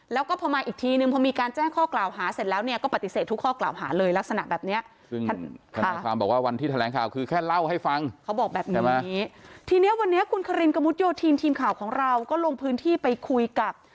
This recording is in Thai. แล้วก็พอมาอีกทีนึงพอมีการแจ้งข้อกล่าวหาเสร็จแล้วเนี่ยก็ปฏิเสธทุกข้อกล่าวหาเลยลักษณะแบบเนี้ยซึ่งท่านธนายความบอกว่าวันที่แถลงข่าวคือแค่เล่าให้ฟังเขาบอกแบบนี้ทีเนี้ยวันนี้คุณคารินกระมุดโยธินทีมข่าวของเราก็ลงพื้นที่ไปคุยกับ